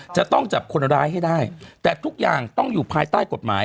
จะต้องจับคนร้ายให้ได้แต่ทุกอย่างต้องอยู่ภายใต้กฎหมาย